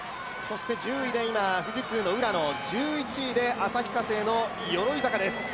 １０位で今、富士通の浦野、１１位で旭化成の鎧坂です。